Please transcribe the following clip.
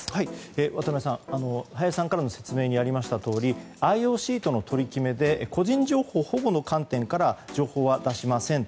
渡辺さん、林さんからの説明にもありましたとおりＩＯＣとの取り決めで個人情報保護の観点から情報は出しませんと。